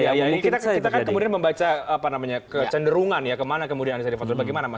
ya kita kita kan kemudian membaca apa namanya kecenderungan ya kemana kemudian bagaimana mas